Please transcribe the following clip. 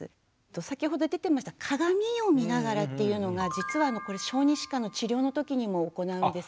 先ほど出ていました鏡を見ながらっていうのが実はこれ小児歯科の治療のときにも行うんです。